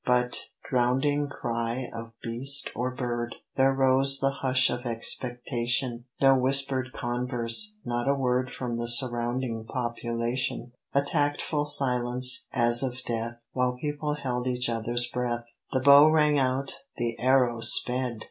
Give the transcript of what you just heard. But, drowning cry of beast or bird, There rose the hush of expectation; No whispered converse, not a word From the surrounding population; A tactful silence, as of death, While people held each other's breath. The bow rang out, the arrow sped!